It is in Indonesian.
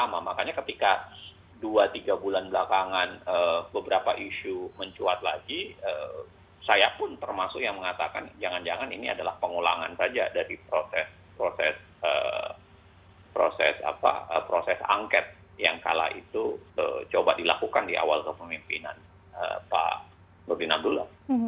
makanya ketika dua tiga bulan belakangan beberapa isu mencuat lagi saya pun termasuk yang mengatakan jangan jangan ini adalah pengulangan saja dari proses angket yang kala itu coba dilakukan di awal kepemimpinan pak bopinagula